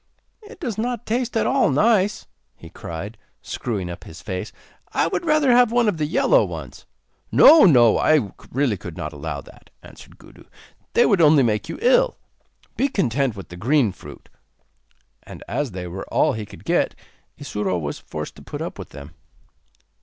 'It does not taste at all nice,' he cried, screwing up his face; 'I would rather have one of the yellow ones.' 'No! no! I really could not allow that,' answered Gudu. 'They would only make you ill. Be content with the green fruit.' And as they were all he could get, Isuro was forced to put up with them.